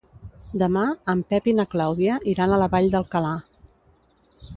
Demà en Pep i na Clàudia iran a la Vall d'Alcalà.